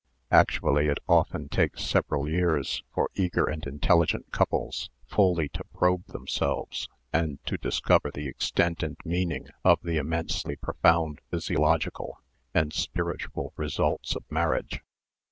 Actually it often takes several years for eager and intelligent couples fially to probe them selves and to discover the extent and meaning of the immensely profound physiological and spiritual re sults of marriage.